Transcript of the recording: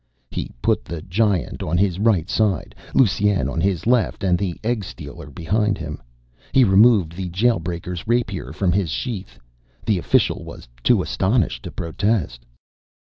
He put the Giant on his right side, Lusine on his left, and the egg stealer behind him. He removed the Jail breaker's rapier from his sheath. The official was too astonished to protest.